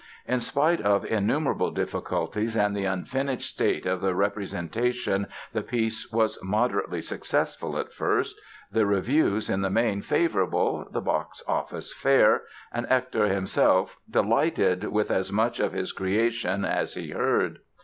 In spite of innumerable difficulties and the unfinished state of the representation the piece was moderately successful at first, the reviews in the main favorable, the box office fair and Hector himself delighted with as much of his creation as he heard.